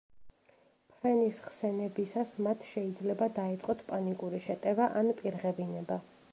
ფრენის ხსენებისას მათ შეიძლება დაეწყოთ პანიკური შეტევა ან პირღებინება.